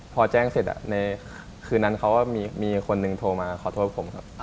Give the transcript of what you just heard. พอแจ้งเสร็จในคืนนั้นเขาก็มีคนหนึ่งโทรมาขอโทษผมครับ